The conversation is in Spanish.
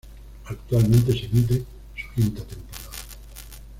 Actualmente se emite su quinta temporada.